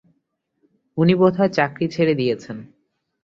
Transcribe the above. উনি বোধহয় চাকরি ছেড়ে দিয়েছেন।